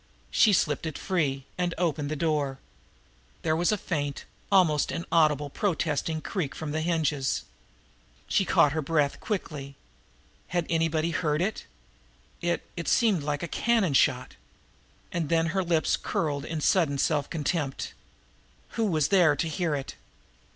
She slipped it free, and opened the door. There was faint, almost inaudible, protesting creak from the hinges. She caught her breath quickly. Had anybody heard it? It it had seemed like a cannon shot. And then her lips curled in sudden self contempt. Who was there to hear it?